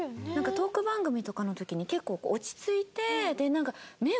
トーク番組とかの時に結構落ち着いてなんか。